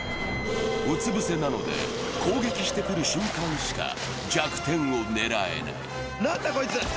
うつぶせなので攻撃してくる瞬間しか弱点を狙えない。